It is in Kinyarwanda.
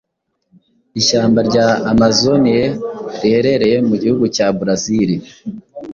ishyamba rya amazonie riherereye mu gihugu cya brazil